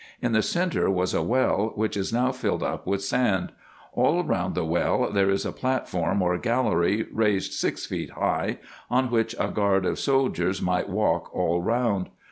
In the centre was a well, which is now filled up with sand. All round the well there is a platform or gallery, raised six feet high, on which a guard of soldiers might walk all round.